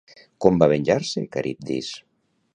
Com va venjar-se, Caribdis?